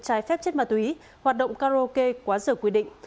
trái phép chất ma túy hoạt động karaoke quá giờ quy định